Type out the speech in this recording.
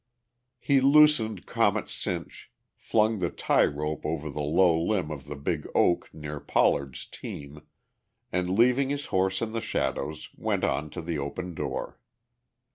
He loosened Comet's cinch, flung the tie rope over the low limb of the big oak near Pollard's team, and leaving his horse in the shadows, went on to the open door.